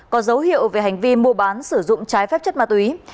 có dấu hiệu về hành vi mua bán sử dụng trái phép chất ma túy